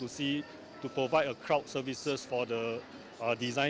untuk memberikan perkhidmatan untuk fase desain